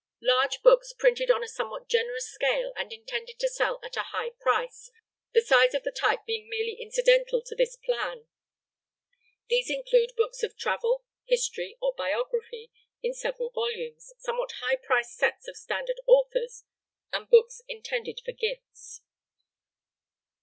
Large books printed on a somewhat generous scale and intended to sell at a high price, the size of the type being merely incidental to this plan. These include books of travel, history, or biography in several volumes, somewhat high priced sets of standard authors, and books intended for gifts.